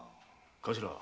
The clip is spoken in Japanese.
頭。